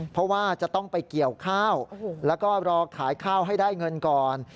เพราะว่าจะต้องไปเกี่ยวข้าวแล้วก็รอขายข้าวให้ได้เงินก่อน